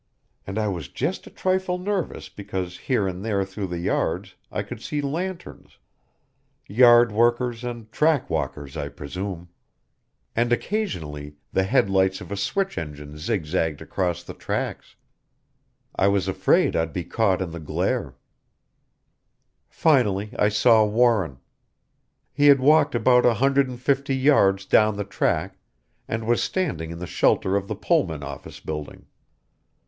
And I was just a trifle nervous because here and there through the yards I could see lanterns yard workers and track walkers, I presume. And occasionally the headlight of a switch engine zigzagged across the tracks I was afraid I'd be caught in the glare "Finally, I saw Warren. He had walked about a hundred and fifty yards down the track and was standing in the shelter of the Pullman office building.